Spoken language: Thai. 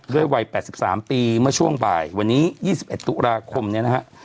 ด้วยวัยแปดสิบสามปีเมื่อช่วงป่ายวันนี้ยี่สิบเอ็ดตุลาคมเนี้ยนะฮะ